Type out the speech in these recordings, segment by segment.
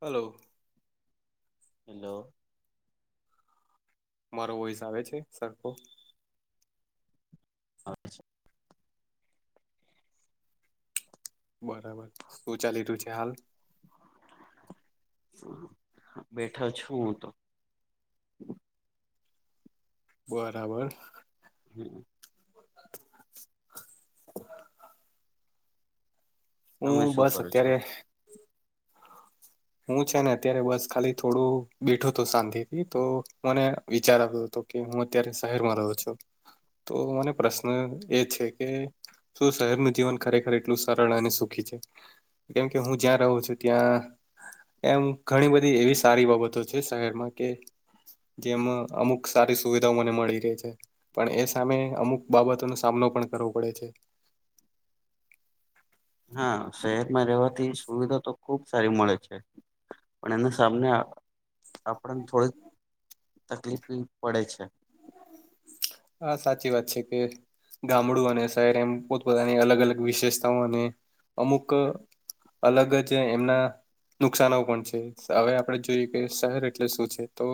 હાલો. Hello. મારો voice આવે છે સરખો. આવે છે. બરાબર શું ચાલી રહ્યું છે હાલ. બેઠા છું હું તો, બરાબર. હમ. હું તમે શું બસ કરો છો?. અત્યારે હું છે ને અત્યારે બસ ખાલી થોડું બેઠો હતો શાંતિથી તો મને વિચાર આવતો હતો, કે હું અત્યારે શહેરમાં રહું છું તો મને પ્રશ્ન એ છે કે, શું શહેરનું જીવન ખરેખર એટલું સરળ અને સુખી છે?. કેમ કે હું જ્યાં રહું છું ત્યાં, એમ ઘણી બધી એવી સારી બાબતો છે શહેરમાં કે, જેમાં અમુક સારી સુવિધાઓ મને મળી રહી છે. પણ એ સામે અમુક બાબતોનો સામનો પણ કરવો પડે છે. હા શહેરમાં રહેવાથી સુવિધા તો ખુબ સારી મળે છે. પણ એના સામને આ આપણને થોડીક તકલીફ બી પડે છે. હા સાચી વાત છે કે. ગામડું અને શહેર એમ પોતપતાની અલગ અલગ વિશેષતાઓ અને અમુક અલગ જ એમના નુકશાનૈ પણ છે હવે આપણેે જોઈએ કે શહેર એટલે શું છે તો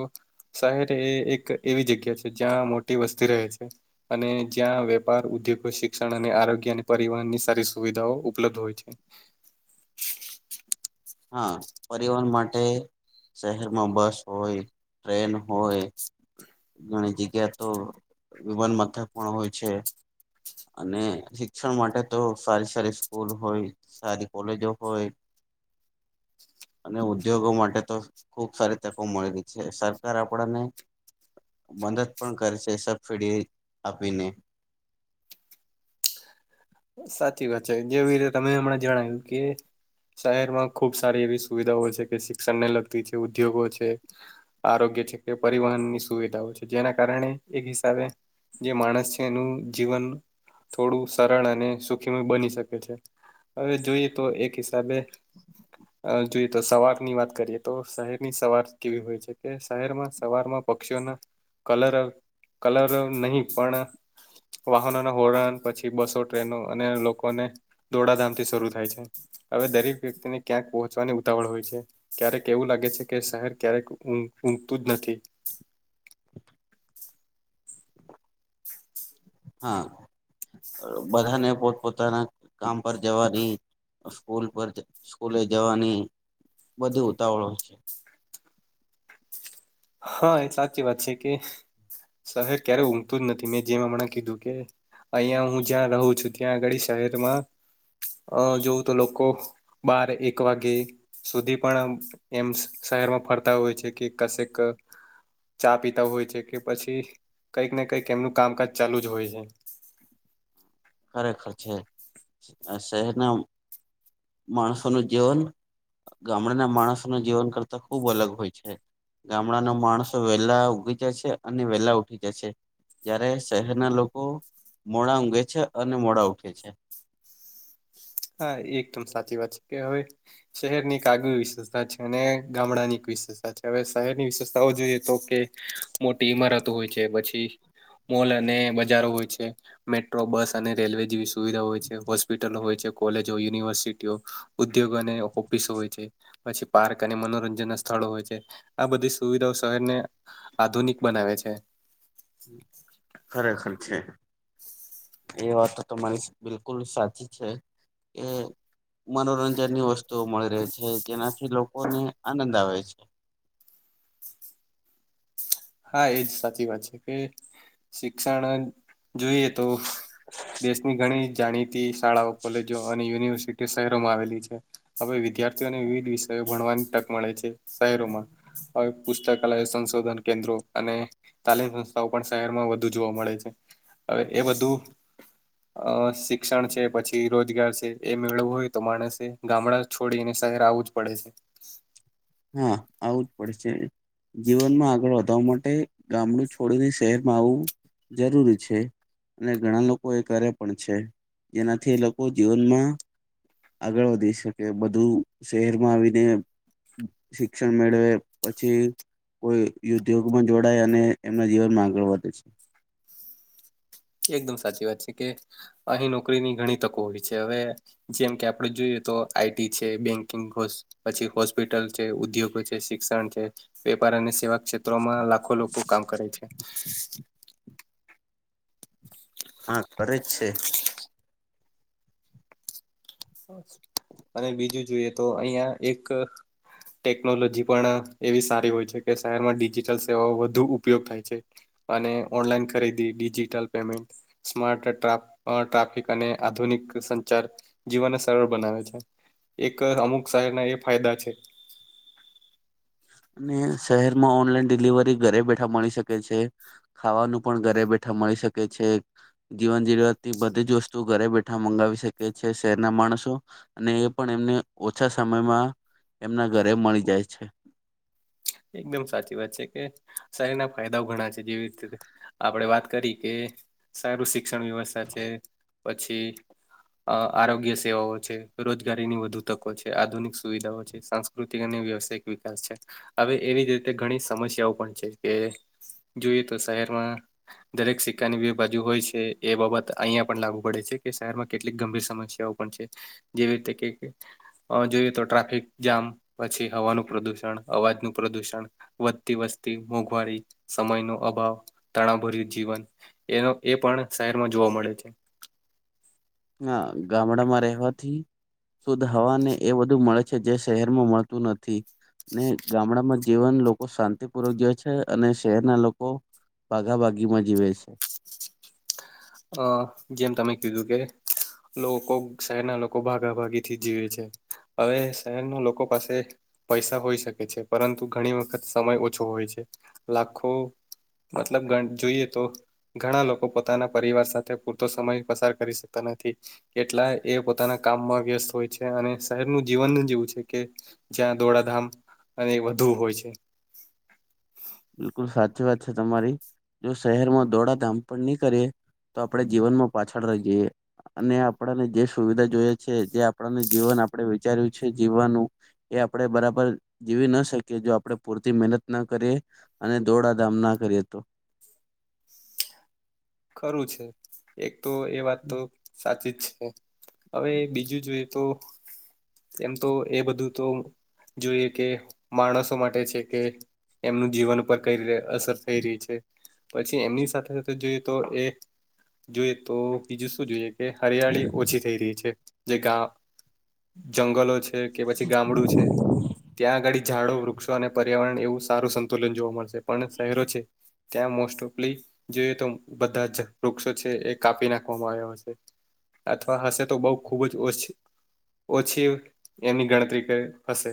શહેર એ એક એવી જગ્યા છે, જ્યાં મોટી વસ્તી રહે છે. અને જ્યાં વેપાર, ઉદ્યોગો, શિક્ષણ અને આરોગ્ય અને પરિવહન ની સારી સુવિધાઓ ઉપલબ્ધ હોય. છે. હા પરિવહન માટે શહેરમાં બસ હોય, ટ્રેન હોય. ઘણી જગ્યા તો વિમાન મથક પણ હોય છે. અને શિક્ષણ માટે તો સારી સારી સ્કૂલ હોય સારી કોલેજો હોય. [inaudible] અને ઉદ્યોગો માટે તો ખુબ સારી તકો મળી રહી છે સરકાર આપણને મદદ પણ કરે છે, સબસીડી આપીને. સાચી વાત છે જેવી રીતે તમે હમણાં જણાવ્યું કે. શહેરમાં ખુબ સારી એવી સુવિધાઓ છે કે શિક્ષણને લગતી છે ઉદ્યોગો છે. આરોગ્ય છે કે પરિવહનની સુવિધાઓ છે જેના કારણે એક હિસાબે જે માણસ છે એનું જીવન થોડું સરળ અને સુખીમય બની શકે છે હવે જોઈએ તો એક હિસાબે અ જોઈએ તો સવાર ની વાત કરીએ તો શહેરની સવાર કેવી હોય છે કે શહેરમાં સવારમાં પક્ષીઓના કલરવ કલરવ નહી પણ વાહનો ના હોરન પછી બસો, ટ્રેનો અને લોકોને દોડાધામ થી શરૂ થાય છે હવે દરેક વ્યક્તિને ક્યાંક પહોંચવાની ઉતાવળ હોય છે. ક્યારેક એવું લાગે છે કે શહેર ક્યારેક ઊ ઊંઘતું જ નથી. હા બધાને પોતપ પોતાના કામ પર જવાની સ્કૂલ પર સ્કૂલે જવાની બધી ઉતાવળો છે. હા એ સાચી વાત છે કે શહેર ક્યારે ઊઘતું જ નથી મેં જેમ હમણાં કીધું કે. અહિયાં હું જ્યાં રહું છું ત્યાં આગાળી શહેરમાં અ જોવું તો લોકો બાર એક વાગે. સુધી પણ અમ એમ શહેરમાં ફરતા હોય છે કે કશેક ચા પીતા હોય છે કે પછી કઈક ને કંઈક એમનું કામકાજ ચાલુ જ હોય છે. ખરેખર છે આ શહેરના માણસોનું જીવન ગામડાના માણસોનું જીવન કરતા ખુબ અલગ હોય છે. ગામડાના માણસો વેલા ઉઘી જશે અને વેલા ઉઠી જશે. જયારે શહેરના લોકો મોડા ઊંઘે છે અને મોડા ઉઠે છે. હા એકદમ સાચી વાત છે કે હવે. શહેરની ક આગવી વિશેષતા છે અને ગામડાની વિશેષતા છે હવે શહેરની વિશેષતાઓ જોઈએ તો કે મોટી ઈમારતો હોય છે પછી મોલ અને બજારો હોય છે. મેટ્રો બસ અને રેલવે જેવી સુવિધા હોય છે હોસ્પિટલો હોય છે. કોલેજો યુનિવર્સિટીઓ ઉદ્યોગો અને ઓફિસ હોય છે. પછી પાર્ક અને મનોરંજન ના સ્થળો હોય છે આ બધી સુવિધાઓ શહેરને આધુનિક બનાવે છે. ખરેખર છે. એ વાત તો તમારી બિલકુલ સાચી છે કે મનોરંજન ની વસ્તુઓ મળી રહી છે જેનાથી લોકોને આનંદ આવે છે. હા એજ સાચી વાત છે કે શિક્ષણ જોઈએ તો દેશની ઘણી જાણીતી શાળાઓ કોલેજો અને યુનિવર્સિટી શહેરોમાં આવેલી છે. હવે વિદ્યાર્થીઓને વિવિધ વિષયો ભણવાની તક મળે છે શહેરોમાં હ પુસ્તકલય સંશોધન કેન્દ્રો અને તાલીમ સંસ્થાઓ પણ શહેરમાં વધુ જોવા મળે છે. હવે એ બધું અ શિક્ષણ છે પછી રોજગાર છે એ મેળવો હોય તો માણસે ગામડા છોડી ને શહેરે આવવું જ પડે છે. હા આવું જ પડશે. જીવનમાં આગળ વધવા માટે ગામડું છોડીને શહેરમાં આવવું જરૂરી છે. અને ઘણા લોકો એ કરે પણ છે. જેનાથી એ લોકો જીવનમાં આગળ વધી શકે, બધું શહેરમાં આવીને શિક્ષણ મેળવે પછી કોઈ યુધ્યોગમાં જોડાય અને એમના જીવનમાં આગળ વધે છે. એકદમ સાચી વાત છે કે અહીં નોકરીની ઘણી તકો હોય છે. હવે જેમ કે આપડ જોઈએ તો આઈટી છે બેંકિંગ કોષ પછી હોસ્પિટલ છે, ઉદ્યોગો છે, શિક્ષણ છે, વેપાર અને સેવા ક્ષેત્ર માં લાખો લોકો કામ કરે છે. હા કરે છે. અને બીજું જોઈએ તો અહિયાં એક ટેકનોલોજી પણ એવી સારી હોય છે કે શહેરમાં ડિજીિટલ સેવાઓ વધુ ઉપયોગ થાય છે. અને ઓનલાઈન ખરીદી ડિજિટલ પેમેન્ટ સ્માર્ટ ટ્રા ટ્રાફિક અને આધુનિક સંચાર જીવનને સરળ બનાવે છે. એક અમુક શહેરના એ ફાયદા છે. અને શહેરમાં ઓનલાઈન ડિલિવરી ઘરે બેઠા મળી શકે છે. ખાવાનું પણ ઘરે બેઠા મળી શકે છે. જીવન જીવવાત થી બધી જ વસ્તુ ઘરે બેઠા મંગાવી શકે છે શહેરના માણસો. અને એ પણ એમને ઓછા સમયમાં એમના ઘરે મળી જાય છે. એકદમ સાચી વાત છે કે શરીરના ફાયદાઓ ઘણા છે, જેવી રીતે આપણેે વાત કરી કે સારું શિક્ષણ વ્યવસ્થા છે પછી અ આરોગ્ય સેવાઓ છે, રોજગારીની વધુ તકો છે, આધુનિક સુવિધાઓ છે સંસ્કૃતિ અને વ્યવસાયિક વિકાસ છે. હવે એવી જ રીતે ઘણી સમસ્યાઓ પણ છે કે જોઈએ તો શહેરમાં દરેક સિક્કાની બે બાજુ હોય છે એ બાબત અહિયાયા પણ લાગુ પડે છે કે શહેરમાં કેટલીક ગંભીર સમસ્યાઓ છે. જેવી રીતે જોઈએ તો ટ્રાફિક જામ પછી હવાનું પ્રદુષણ અવાજનું પ્રદૂષણ, વધતી વસ્તી, મોંઘવારી, સમય નો અભાવ, તણાભર્યું જીવન એનો એ પણ શહેરમાં જોવા મળે છે. હા ગામડામાં રહેવાથી શુદ્ધ હવાને એ બધું મળે છે જે શહેરમાં મળતું નથી. ને ગામડામાં જીવન લોકો શાંતિ પૂર્વક જ છે અને શહેરના લોકો બાઘા બાગીમાં જીવે છે. હ જેમ તમેક કીધું કે લોકો શહેરના લોકો ભાગાભાગીથી જીવે છે. હવે શહેરના લોકો પાસે પૈસા હોઈ શકે છે પરંતુ ઘણી વખત સમય ઓછો હોય છે. લાખો મતલબ જોઈએ તો ઘણા લોકો પોતાના પરિવાર સાથે પૂરતો સમય પસાર કરી શકતા નથી. કેટલા એ પોતાના કામમાં વ્યસ્ત હોય છે અને શહેરનું જીવન જેવું છે કે જ્યાં દોડાધામ અને વધુ હોય છે. બિલકુલ સાચી વાત છે તમારી. જો શહેરમાં દોડાધામ પણ નહી કરીએ તો આપણે જીવનમાં પાછળ રહીએ. અને આપણને જે સુવિધા જોઈ છે જે આપણને જીવન આપણે વિચાર્યું છે, જીવવાનું એ આપણે બરાબર જીવી ના શકીએ જો આપણે પૂરતી મહેનત ના કરીએ અને દોડાધામ ના કરીએ તો ખરું છે એક તો એ વાત તો સાચી જ છે હવે બીજું જોઈએ તો એમ તો એ બધું તો જોઈએ કે માણસો માટે છે કે એમનું જીવન પર અસર થઈ રહી છે પછી એમની સાથે સાથે જોઈ તો એ જોઈએ તો બીજું શું જોઈએ કે હરિયાળી ઓછી થઈ રહી છે જે ગા જંગલો છે કે પછી ગામડું છે ત્યાં આગાડી ઝાડો વૃક્ષો અને પર્યાવરણ એવું સારું સંતુલન જોવા મળશે પણ શહેરો છે ત્યાં મોસ્ટ ઓફલી જોઈએ તો બધા જ વૃક્ષો છે એ કાપી નાખવામાં આવ્યા છે અથવા હશે તો બઉ ખુબ જ ઓછ ઓછી એની ગણતરી હશે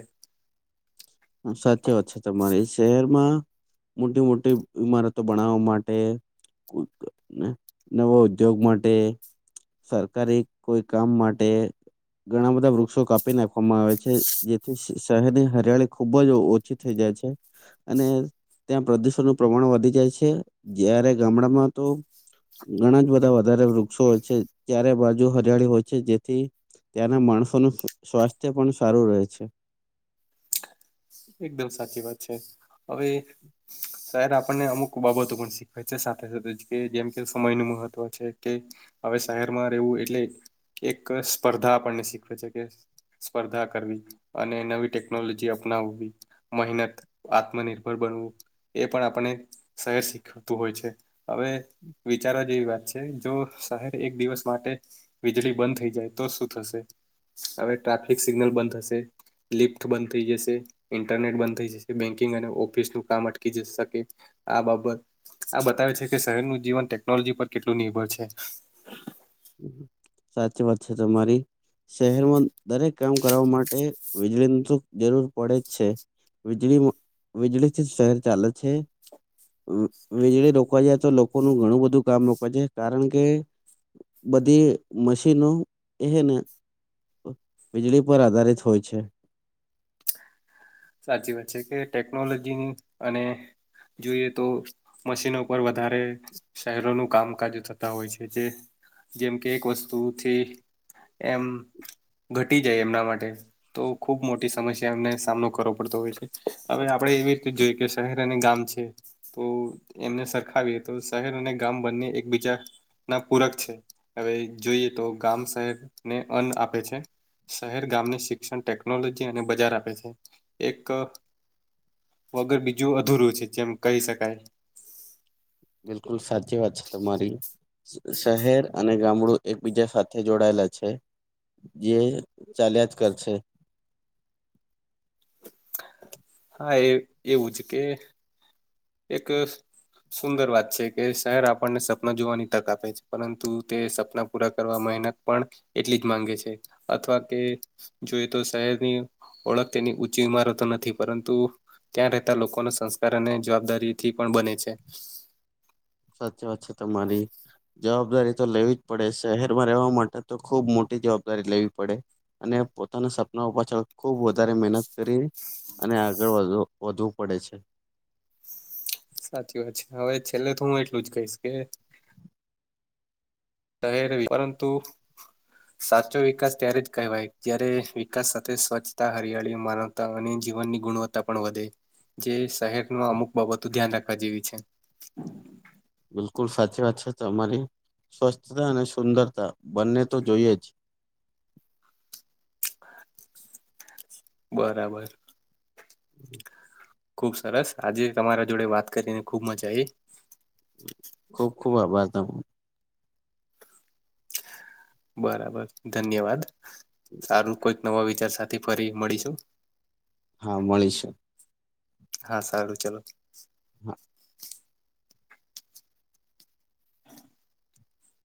સાચી વાત છે તમારે શહેરમાં મોટી મોટી ઈમારતો બનાવવા માટે નવાો ઉદ્યોગ માટે સરકારે કોઈ કામ માટે ઘણા બધા વૃક્ષો કાપ આપી નાખવામાં આવે છે જેથી શહેરની હરિયાળી ખુબ જ ઓછી થઈ જાય છે અને ત્યાં પ્રદુષણનું પ્રમાણ વધી જાય છે જારે ગામડામાં તો ઘણા જ બધા વધારે વૃક્ષો હોય છે ચારે બાજુ હરિયાળી હોય છે જેથી ત્યાંના માણસોનું સ્વાસ્થ્ય પણ સારું રહે છે એકદમ સાચી વાત છે હવે શહેર આપણને અમુક બાબતો પણ શીખવાય છે સાથે સાથે જ કે જેમ કે સમય ન મહત્વ છે કે હવે શહેરમાં રહેવું એટલે એક સ્પર્ધા આપણને શીખવે છે કે સ્પર્ધા કરવી અને નવી ટેકનોલોજી અપનાવવી મહેનત આત્મનિર્ભર બનવું એ પણ આપણે શહેર શીખવતું હોય છે હવે વિચારવા જેવી વાત છે જો શહેર એક દિવસ માટે વીજળી બંધ થઈ જાય તો શું થશે હવે ટ્રાફિક સિગ્નલ બંધ થશે લિફ્ટ બંધ થઈ જશે ઇન્ટરનેટ બંધ થઈ જશે બેંકિંગ અને ઓફિસ નું કામ અટકી જ શકે આ બાબત આ બતાવે છે કે શહેરનું જીવન ટેકનોલોજી પર કેટલું નિર્ભર છે સાચી વાત છે તમારી શહેરમાં દરેક કામ કરવા માટે વિજલન્સ જરૂર પડે જ છે વીજળી વીજળીથી શહેર ચાલે છે વીજળી રોકવા જાય તો લોકોનું ઘણું બધું કામ રોકવા જ કારણ કે બધી મશીનો એને વીજળી પર આધારિત હોય છે સાચી વાત છે કે ટેકનોલોજીની અને જોઈએ તો મશીનો પર વધારે શહેરોનું કામકાજ થતા હોય છે જે જેમ કે એક વસ્તુથી એમ ઘટી જાય એમના માટે તો ખુબ મોટી સમસ્યા એમને સામનો કર કરો પડતો હોય છે હવે આપડે એવી રીતે જોઈ કે શહેર અને ગામ છે તો એમને સરખાવીએ તો શહેર અને ગામ બંને એકબીજા ના પૂરક છે હવે જોઈએ તો ગામ શહેરને અન્ન આપે છે શહેર ગામને શિક્ષણ ટેકનોલોજી અને બજાર આપે છે એક વગર બીજું અધૂરું છે જેમ કહી શકાય બિલકુલ સાચી વાત છે તમારી શહેર અને ગામડું એકબીજા સા થે જોડાયેલા છે જે ચાલ્યા જ કરશે હા, એ એવું જ કે એક. સુંદર વાત છે. કે શહેર આપણને સપના જોવાની તક આપે છે. પરંતુ તે સપના.... પૂરા કરવામાં મહેનત પણ એટલી જ માંગે છે. અથવા કે, જોઈએ. તો શહેરની ઓળખ તેની ઊંચી ઈમારતો નથી. પરંતુ, ત્યાં રહેતા લોકોનો સંસ્કાર અને જવાબદારીથી પણ બને છે. સાચી વાત છે, તમારી. જવાબદારી તો લેવી જ પડે. શહેરમાં રહેવા માટે તો ખુબ મોટી જવાબદારી લેવી પડે. અને પોતાના સપના પાછળ ખુબ વધારે મહેનત કરી, અને આગળ વધો વધવું પડે છે. સાચી વાત છે. હવે છેલ્લે તો હું એટલું જ કહીશ. કે, રહે પરંતુ, સાચો વિકાસ ત્યારે જ કહેવાય. જ્યારે વિકાસ સાથે સ્વચ્છતા, હરિયાળી માનવ. તા અને જીવનની ગુણવત્તા પણ વધે. જે શહેરની અમુક બાબતો ધ્યાન રાખવા જેવી છે. બિલકુલ સાચી વાત છે, તમારી સ્વચ્છતા અને સુંદરતા બંને તો જોઈએ જ. બરાબર. હમ ખુબ સરસ આજે તમારા જોડે વાત કરીને ખુબ મજા આવી. ખૂબ ખૂબ આભાર તમારો. બરાબર ધન્યવાદ! સારું કોઈક નવા વિચાર સાથે ફરી મળીશું. હા મળીશું. હા, સારું ચાલો. હા